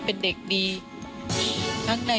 สวัสดีครับ